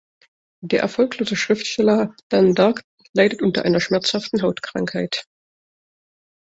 Der erfolglose Schriftsteller Dan Dark leidet unter einer schmerzhaften Hautkrankheit.